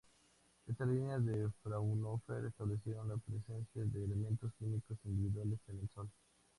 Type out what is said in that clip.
Estas líneas de Fraunhofer establecieron la presencia de elementos químicos individuales en el Sol.